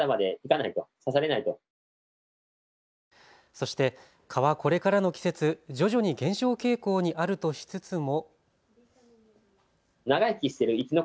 そして蚊はこれからの季節徐々に減少傾向にあるとしつつも。